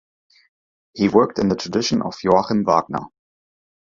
He worked in the tradition of Joachim Wagner.